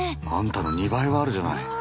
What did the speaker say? アンタの２倍はあるじゃない。